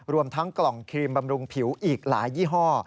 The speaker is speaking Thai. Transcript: รวมทั้งกล่องครีมบำรุงผิวอีกหลายยี่ห้อ